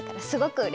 すごい！